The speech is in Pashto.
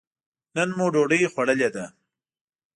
نن مو ډوډۍ خوړلې ده.